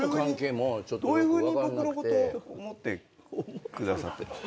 どういうふうに僕のこと思ってくださってるんですか？